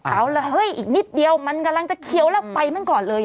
เอาละเฮ้ยอีกนิดเดียวมันกำลังจะเคี้ยวแล้วไปมันก่อนเลย